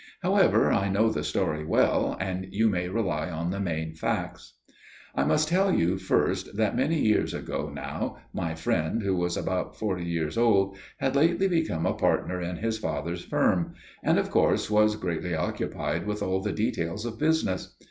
However, I know the story well, and you may rely on the main facts. "I must tell you first that many years ago now, my friend, who was about forty years old, had lately become a partner in his father's firm: and of course was greatly occupied with all the details of business.